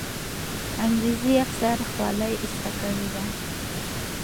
انګریزي افسر خولۍ ایسته کړې ده.